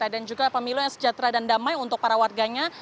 dan juga pemilu yang sejahtera dan damai untuk para warganya